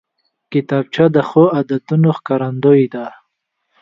کتابچه د ښو عادتونو ښکارندوی ده